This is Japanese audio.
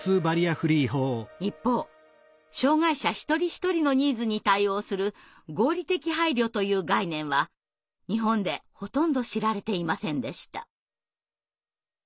一方障害者一人一人のニーズに対応する合理的配慮という概念は日本でほとんど知られていませんでした。